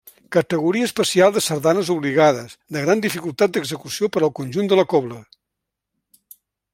Categoria especial de sardanes obligades, de gran dificultat d'execució per al conjunt de la cobla.